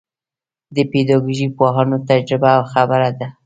د پیداکوژۍ پوهانو تجربه او خبره ده.